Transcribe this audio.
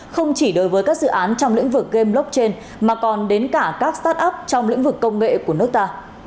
không chỉ đối với các dự án trong lĩnh vực game blockchain mà còn đến cả các start up trong lĩnh vực công nghệ của nước ta